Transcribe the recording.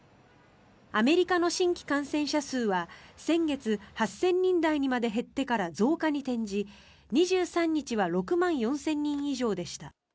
アメリカの新規感染者数は先月８０００人台にまで減ってから増加に転じ、２３日は６万４０００人以上でした。